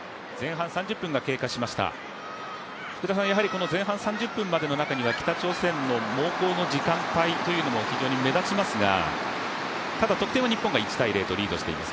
この前半３０分までの中には北朝鮮の猛攻の時間帯というのも非常に目立ちますが、得点は日本が１−０とリードしています。